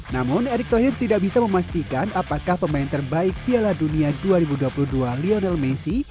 namun erick thohir tidak bisa memastikan apakah pemain terbaik piala dunia dua ribu dua puluh dua lionel messi